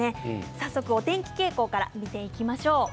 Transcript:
早速お天気傾向から見ていきましょう。